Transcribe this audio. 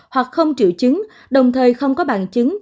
hoặc không triệu chứng đồng thời không có bằng chứng